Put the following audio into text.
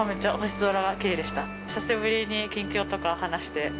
久しぶりに近況とかを話して。